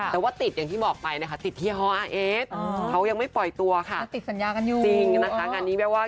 แต่ว่าติดอย่างที่บอกไปนะคะติดที่ฮออาร์เอสเขายังไม่ปล่อยตัวค่ะ